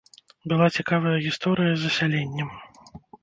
Была цікавая гісторыя з засяленнем.